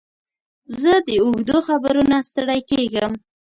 زه د اوږدو خبرو نه ستړی کېږم.